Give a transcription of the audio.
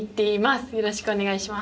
よろしくお願いします。